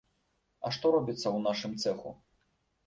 А што робіцца ў нашым цэху?